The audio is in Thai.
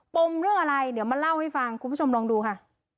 มเรื่องอะไรเดี๋ยวมาเล่าให้ฟังคุณผู้ชมลองดูค่ะ